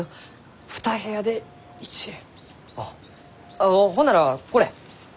あほんならこれ。